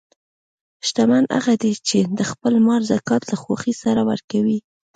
شتمن هغه دی چې د خپل مال زکات له خوښۍ سره ورکوي.